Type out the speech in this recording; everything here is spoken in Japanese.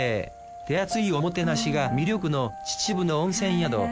手厚いおもてなしが魅力の秩父の温泉宿。